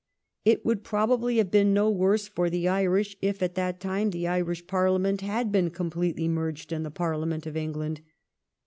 It would probably have been no worse for the Irish if at that time the Irish Parliament had been completely merged in the ParUament of England.